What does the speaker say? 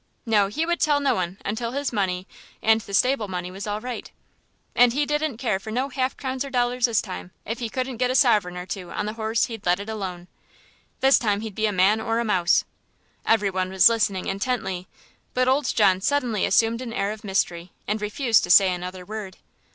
No, he would tell no one until his money and the stable money was all right. And he didn't care for no half crowns or dollars this time, if he couldn't get a sovereign or two on the horse he'd let it alone. This time he'd be a man or a mouse. Every one was listening intently, but old John suddenly assumed an air of mystery and refused to say another word.